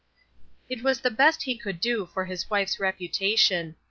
It was the best he could do for his wife's repu tation.